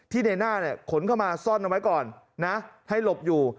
ในหน้าขนเข้ามาซ่อนเอาไว้ก่อนนะให้หลบอยู่